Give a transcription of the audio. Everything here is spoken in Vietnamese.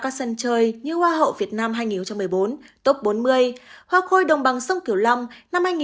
các sân chơi như hoa hậu việt nam năm hai nghìn một mươi bốn hoa khôi đồng bằng sông kiểu lâm năm hai nghìn một mươi năm